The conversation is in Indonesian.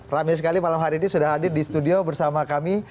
rame sekali malam hari ini sudah hadir di studio bersama kami